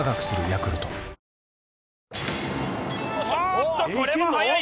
おっとこれは早い！